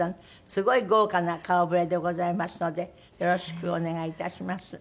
すごい豪華な顔ぶれでございますのでよろしくお願いいたします。